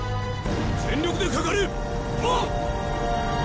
全力でかかれ！はっ！